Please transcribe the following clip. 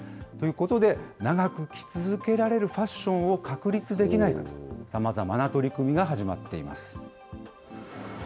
ということで、長く着続けられるファッションを確立できないかと、さまざまな取り組みが始まっています。